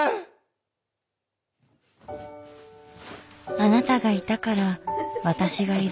あなたがいたから私がいる。